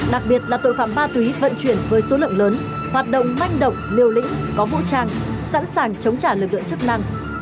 đặc biệt là tội phạm ma túy vận chuyển với số lượng lớn hoạt động manh động liều lĩnh có vũ trang sẵn sàng chống trả lực lượng chức năng